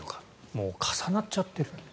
もう重なっちゃってる。